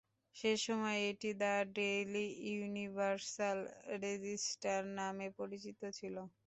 সেসময় এটি "The Daily Universal Register" নামে পরিচিত ছিল।